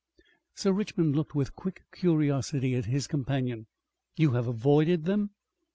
Sir Richmond looked with quick curiosity at his companion. "You have avoided them!"